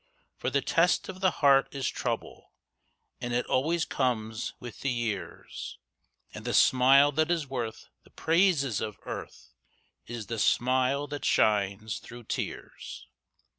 For the test of the heart is trouble, And it always comes with the years, And the smile that is worth the praises of earth Is the smile that shines through tears.